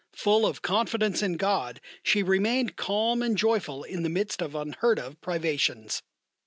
Full of confidence in God she remained calm and joyful in the midst of unheard of privations.